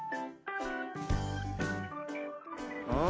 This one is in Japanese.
うん？